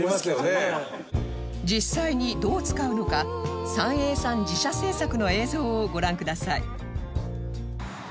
実際にどう使うのかサンエーさん自社製作の映像をご覧ください